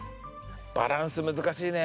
バランス難しいね。